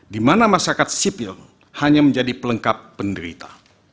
di mana masyarakat sipil hanya menjadi pelengkap penderita